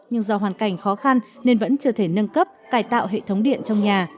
nhưng do hoàn cảnh khó khăn nên vẫn chưa thể nâng cấp cải tạo hệ thống điện trong nhà